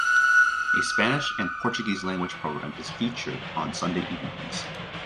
A Spanish and Portuguese language program is featured on Sunday evenings.